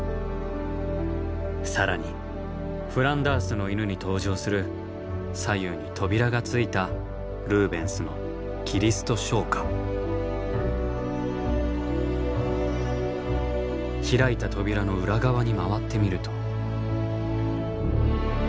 更に「フランダースの犬」に登場する左右に扉がついたルーベンスの開いた扉の裏側に回ってみると。